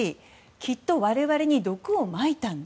きっと我々に毒をまいたんだ。